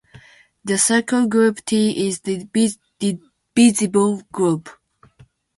The circle group T is a divisible group.